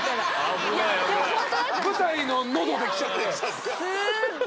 舞台の喉で来ちゃって。